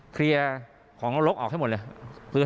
เคลียร์ของนรกออกให้หมดเลย